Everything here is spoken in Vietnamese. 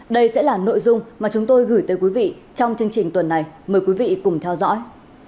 đây sẽ là nội dung mà chúng tôi gửi tới quý vị trong chương trình tuần này mời quý vị cùng theo dõi